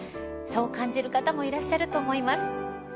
そう感じる方もいらっしゃると思います。